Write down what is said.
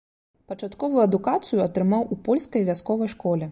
Пачатковую адукацыю атрымаў у польскай вясковай школе.